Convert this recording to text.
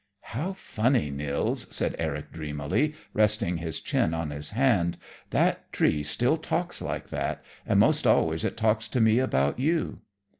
"How funny, Nils," said Eric dreamily, resting his chin on his hand. "That tree still talks like that, and 'most always it talks to me about you."